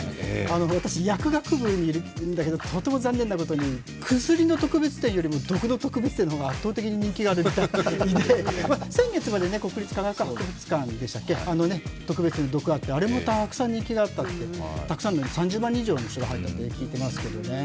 私、薬学部にいるんだけど、とても残念なことに薬の特別展よりも毒の特別展の方が圧倒的に人気があるみたいで、先月まで国立科学博物館で毒展が、あれもたくさん人気があったって３０万人以上の人が入ったらしいですね。